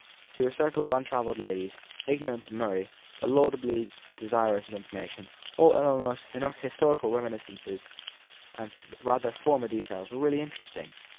To her circle of untravelled ladies, ignorant of Murray, but laudably desirous of information, all Ellinor's historical reminiscences and rather formal details were really interesting.